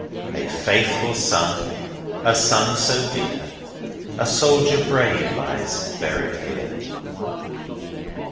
'A faithful son, A son so dear, A soldier brave Lies buried here.